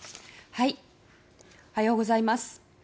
おはようございます。